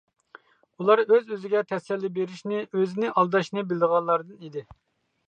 ئۇلار ئۆز-ئۆزىگە تەسەللى بېرىشنى، ئۆزىنى ئالداشنى بىلىدىغانلاردىن ئىدى.